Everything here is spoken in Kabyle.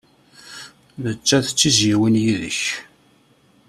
Nettat d tizzyiwin yid-k.